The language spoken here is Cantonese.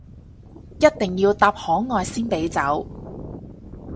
一定要答可愛先俾走